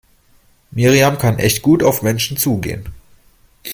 Miriam kann echt gut auf Menschen zugehen.